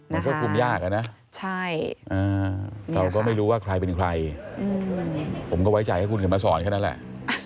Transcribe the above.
มันก็คุมยากอะนะเราก็ไม่รู้ว่าใครเป็นใครผมก็ไว้ใจให้คุณเขียนมาสอนแค่นั้นแหละ